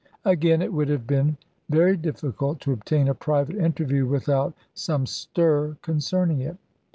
Again, it would have been very difficult to obtain a private interview without some stir concerning it.